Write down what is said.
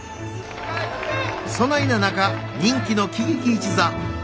そないな中人気の喜劇一座天